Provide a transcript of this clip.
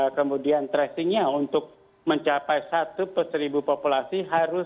kemudian tracingnya untuk mencapai satu per seribu populasi